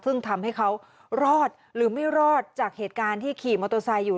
ซึ่งทำให้เขารอดหรือไม่รอดจากเหตุการณ์ที่ขี่มอเตอร์ไซค์อยู่